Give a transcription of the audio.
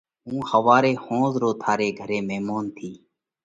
هُون ۿواري ۿونز رو ٿاري گھري ميمونَ ٿِيه۔